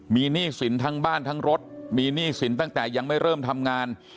มีหนี้สินทั้งบ้านทั้งรถมีหนี้สินตั้งแต่ยังไม่เริ่มทำงาน